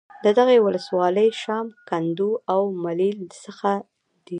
د دغې ولسوالۍ شام ، کندو او ملیل څخه د